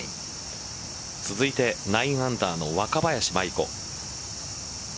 続いて９アンダーの若林舞衣子。